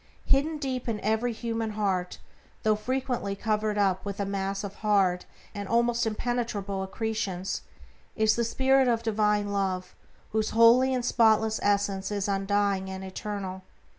Hidden deep in every human heart, though frequently covered up with a mass of hard and almost impenetrable accretions, is the spirit of Divine Love, whose holy and spotless essence is undying and eternal.